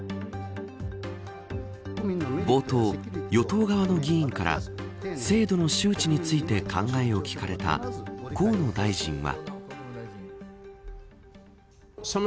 冒頭、与党側の議員から制度の周知について考えを聞かれた河野大臣は。